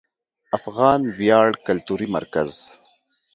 افغان ویاړ کلتوري مرکز